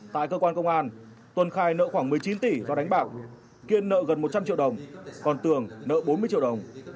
tại cơ quan công an tuân khai nợ khoảng một mươi chín tỷ do đánh bạc kiên nợ gần một trăm linh triệu đồng còn tường nợ bốn mươi triệu đồng